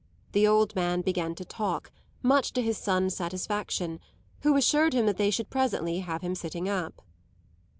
The old man began to talk, much to his son's satisfaction, who assured him that they should presently have him sitting up.